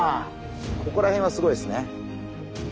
ここらへんはすごいですね。